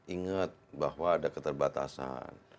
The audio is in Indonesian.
inget bahwa ada keterbatasan